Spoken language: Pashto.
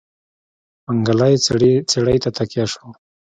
منګلی څېړۍ ته تکيه شو.